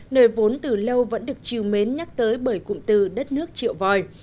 nơi vốn từ lâu vẫn được triều mến nhắc tới bởi cụm từ đất nước triệu vòi